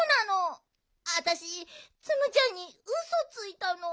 あたしツムちゃんにウソついたの。